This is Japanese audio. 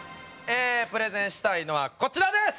プレゼンしたいのはこちらです！